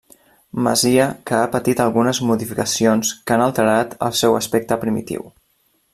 Masia que ha patit algunes modificacions que han alterat el seu aspecte primitiu.